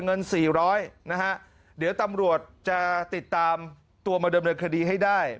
เงินสี่ร้อยนะฮะเดี๋ยวตำรวจจะติดตามตัวมาดำเนินคดีให้ได้